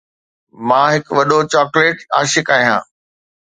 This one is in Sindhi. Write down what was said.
مان هڪ وڏو چاکليٽ عاشق آهيان.